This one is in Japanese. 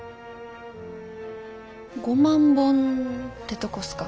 ５万本てとこっすか？